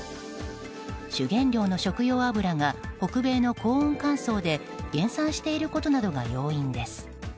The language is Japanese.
主原料の食用油が北米の高温乾燥で減産していることなどが要因です。